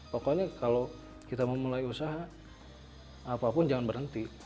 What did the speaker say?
pokoknya kalau kita mau mulai usaha apapun jangan berhenti